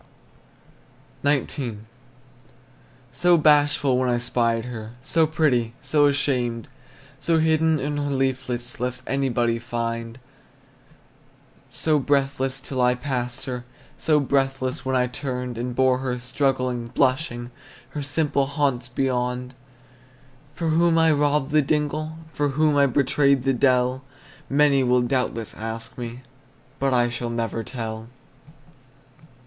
XIX. So bashful when I spied her, So pretty, so ashamed! So hidden in her leaflets, Lest anybody find; So breathless till I passed her, So helpless when I turned And bore her, struggling, blushing, Her simple haunts beyond! For whom I robbed the dingle, For whom betrayed the dell, Many will doubtless ask me, But I shall never tell!